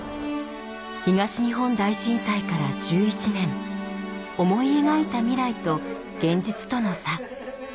東日本大震災から１１年思い描いた未来と現実との差